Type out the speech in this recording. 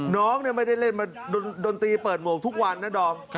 น้องไม่ได้เล่นมาดนตรีเปิดหมวกทุกวันนะดอม